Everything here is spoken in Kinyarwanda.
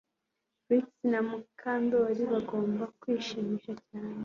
Trix na Mukandoli bagomba kwishima cyane